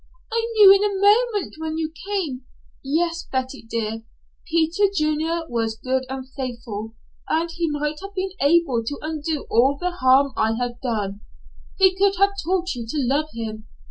I knew in a moment when you came " "Yes, Betty, dear, Peter Junior was good and faithful; and he might have been able to undo all the harm I had done. He could have taught you to love him.